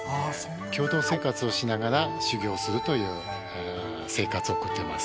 共同生活をしながら修行するという生活を送っています。